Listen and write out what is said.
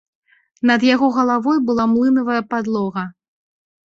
Над яго галавой была млынавая падлога.